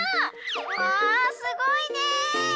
わあすごいねえ！